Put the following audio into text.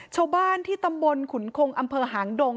ชาวบ้านที่ตำบลขุนคงอำเภอหางดง